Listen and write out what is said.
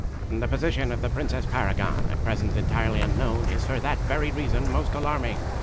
The position of the Princess Paragon at present entirely unknown is for that very reason most alarming.